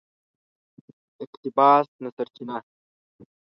اقتباس نه سرچینه